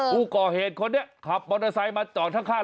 ผู้ก่อเหตุคนนี้ขับมอเตอร์ไซค์มาจอดข้าง